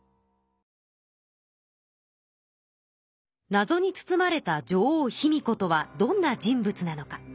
なぞに包まれた女王・卑弥呼とはどんな人物なのか。